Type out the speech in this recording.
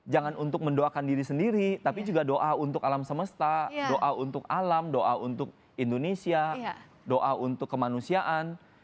jangan untuk mendoakan diri sendiri tapi juga doa untuk alam semesta doa untuk alam doa untuk indonesia doa untuk kemanusiaan